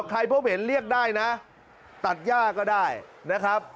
ใครพบเห็นเรียกได้นะตัดย่าก็ได้นะครับ